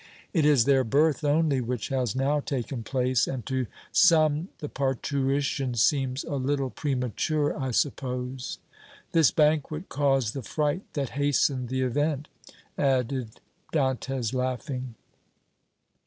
It is their birth only which has now taken place, and to some the parturition seems a little premature, I suppose. This banquet caused the fright that hastened the event," added Dantès, laughing.